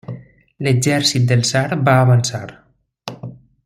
L'exèrcit del tsar va avançar.